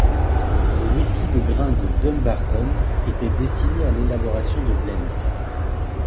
Le whisky de grain de Dumbarton était destiné à l'élaboration de blends.